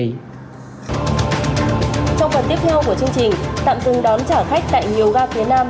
trong phần tiếp theo của chương trình tạm dừng đón trả khách tại nhiều ga phía nam